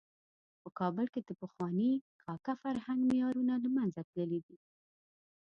په کابل کې د پخواني کاکه فرهنګ معیارونه له منځه تللي.